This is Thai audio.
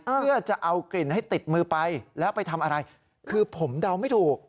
เพื่อจะเอากลิ่นให้ติดมือไปแล้วไปทำอะไรคือผมเดาไม่ถูก